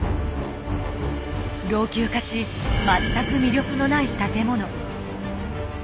老朽化し全く魅力のない建物。